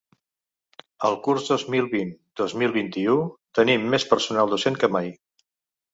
Al curs dos mil vint-dos mil vint-i-u tenim més personal docent que mai.